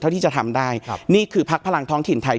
เท่าที่จะทำได้นี่คือพักพลังท้องถิ่นไทย